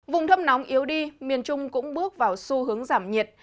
vùng thấp nóng yếu đi miền trung cũng bước vào xu hướng giảm nhiệt